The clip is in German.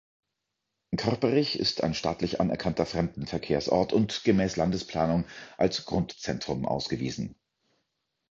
Körperich ist ein staatlich anerkannter Fremdenverkehrsort und gemäß Landesplanung als Grundzentrum ausgewiesen.